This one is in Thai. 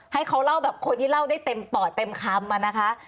ให้เขาเล่าแบบคนที่เล่าได้เต็มปอดเต็มคำอะนะคะ